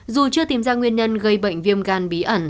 dù chưa tìm ra nguyên nhân gây bệnh viêm gan bí ẩn